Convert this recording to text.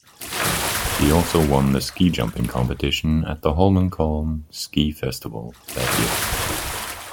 He also won the ski jumping competition at the Holmenkollen ski festival that year.